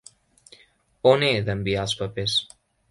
On he d'enviar els papers?